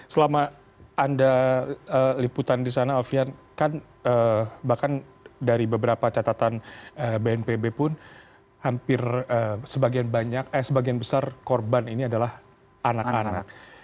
selama anda liputan di sana alfian kan bahkan dari beberapa catatan bnpb pun hampir sebagian banyak eh sebagian besar korban ini adalah anak anak